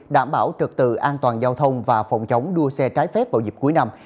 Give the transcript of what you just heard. đảm bảo trật tự an toàn giao thông và phòng chống đua xe trái phép vào dịp cuối năm